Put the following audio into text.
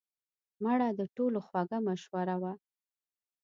مړه د ټولو خوږه مشوره وه